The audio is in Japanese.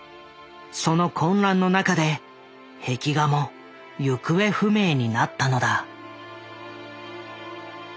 その混乱の中で壁画も行方不明になったのだ。